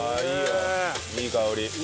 いい香り。